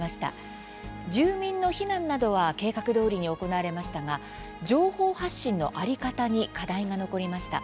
住民の避難などは計画どおりに行われましたが情報発信の在り方に課題が残りました。